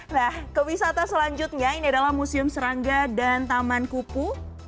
nah ke wisata selanjutnya ini adalah museum serangga dan taman kupu